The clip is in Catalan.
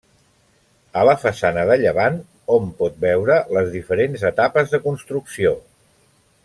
A la façana de llevant hom pot veure les diferents etapes de construcció.